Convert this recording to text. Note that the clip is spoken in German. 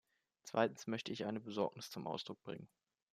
Zweitens möchte ich eine Besorgnis zum Ausdruck bringen.